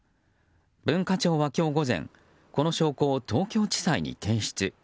文化庁は今日午前この証拠を東京地裁に提出。